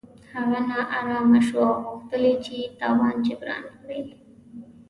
هغه نا ارامه شو او غوښتل یې چې تاوان جبران کړي.